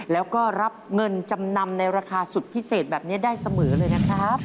แล้วก็รับเงินจำนำในราคาสุดพิเศษแบบนี้ได้เสมอเลยนะครับ